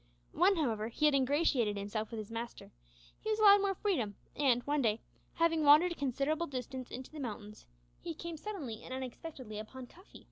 When, however, he had ingratiated himself with his master, he was allowed more freedom, and one day, having wandered a considerable distance into the mountains, he came suddenly and unexpectedly upon Cuffy.